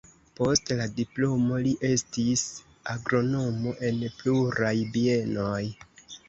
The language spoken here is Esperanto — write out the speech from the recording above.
Post la diplomo li estis agronomo en pluraj bienoj.